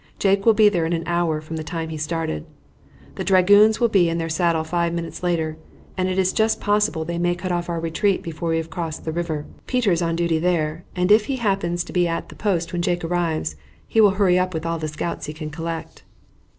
Jake will be there in an hour from the time he started. The dragoons will be in the saddle five minutes later, and it is just possible they may cut off our retreat before we have crossed the river. Peter is on duty there, and, if he happens to be at the post when Jake arrives, he will hurry up with all the scouts he can collect."